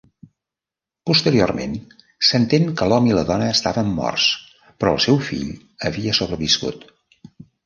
Posteriorment s'entén que l'home i la dona estaven morts però el seu fill havia sobreviscut.